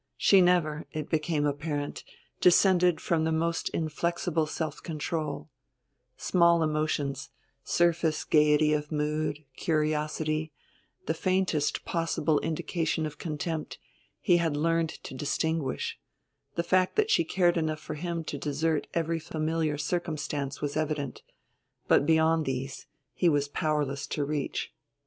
She never, it became apparent, descended from the most inflexible self control; small emotions surface gayety of mood, curiosity, the faintest possible indication of contempt, he had learned to distinguish; the fact that she cared enough for him to desert every familiar circumstance was evident; but beyond these he was powerless to reach.